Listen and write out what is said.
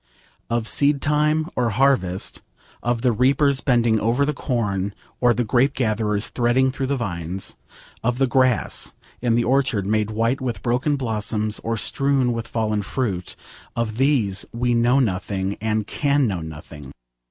Of seed time or harvest, of the reapers bending over the corn, or the grape gatherers threading through the vines, of the grass in the orchard made white with broken blossoms or strewn with fallen fruit: of these we know nothing and can know nothing.